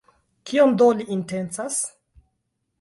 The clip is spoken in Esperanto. Kion do li intencas?